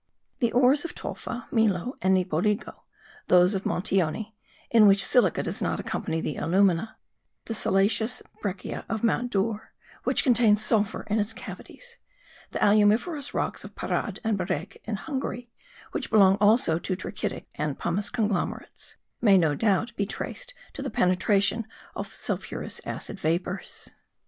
The ores of Tolfa, Milo and Nipoligo; those of Montione, in which silica does not accompany the alumina; the siliceous breccia of Mont Dore, which contains sulphur in its cavities; the alumiferous rocks of Parad and Beregh in Hungary, which belong also to trachytic and pumice conglomerates, may no doubt be traced to the penetration of sulphurous acid vapours.